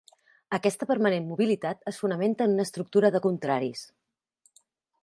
Aquesta permanent mobilitat es fonamenta en una estructura de contraris.